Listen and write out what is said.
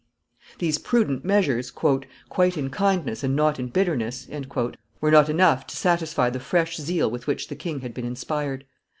These prudent measures, "quite in kindness and not in bitterness," were not enough to satisfy the fresh zeal with which the king had been inspired.